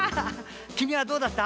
きみはどうだった？